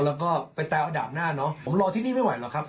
แล้วก็ไปตายเอาดาบหน้าเนอะผมรอที่นี่ไม่ไหวหรอกครับ